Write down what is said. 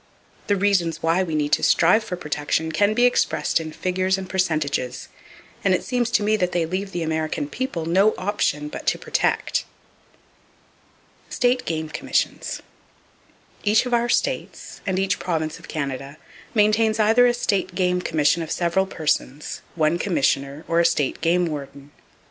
The reasons why we need to strive for protection can be expressed in figures and percentages; and it seems to me that they leave the American people no option but to protect! State Game Commissions. —Each of our states, and each province of Canada, maintains either a State Game Commission of several persons, one Commissioner, or a State Game Warden.